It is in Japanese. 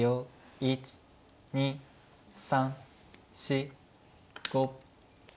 １２３４５。